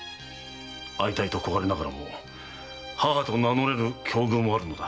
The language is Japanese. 会いたいと焦がれながらも母と名乗れぬ境遇もあるのだ。